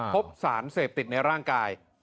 พบสารเสพติดในร่างกาย